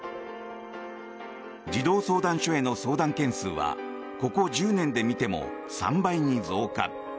児童相談所への相談件数はここ１０年で見ても３倍に増加。